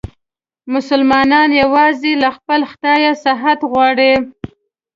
مسلمانان یووازې له خپل خدایه صحت غواړي.